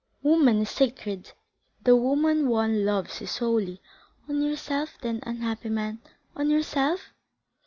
Woman is sacred; the woman one loves is holy." "On yourself, then, unhappy man; on yourself?"